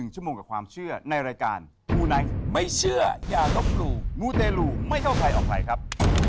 ชั่วโมงกับความเชื่อในรายการมูไนท์ไม่เชื่ออย่าลบหลู่มูเตรลูไม่เข้าใครออกใครครับ